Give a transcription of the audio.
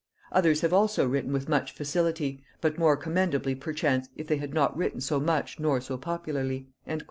Others have also written with much facility, but more commendably perchance if they had not written so much nor so popularly."